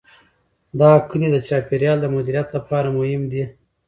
دا کلي د چاپیریال د مدیریت لپاره مهم دي.